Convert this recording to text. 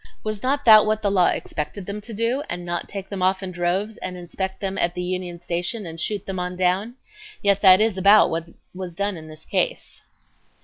Was not that what the law expected them to do, and not take them off in droves and inspect them at the Union Station and shoot them on down? Yet that is about what was done in this case."